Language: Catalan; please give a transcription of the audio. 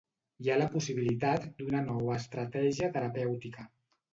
Hi ha la possibilitat d'una nova estratègia terapèutica.